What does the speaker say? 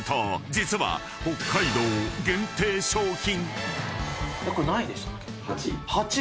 実は北海道限定商品］